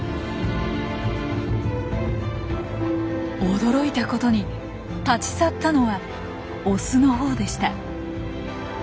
驚いたことに立ち去ったのはオスのほうでした。